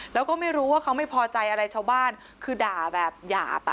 แล้วก็ไม่รู้ว่าเขาไม่พอใจอะไรชาวบ้านคือด่าแบบหยาบอ่ะ